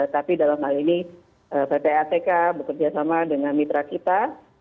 tapi dalam hal ini ppatk bekerjasama dengan mitra kita